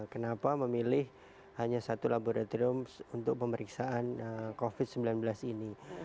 kenapa memilih hanya satu laboratorium untuk pemeriksaan covid sembilan belas ini